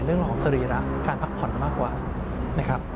เรื่องของสรีระการพักผ่อนมากกว่านะครับ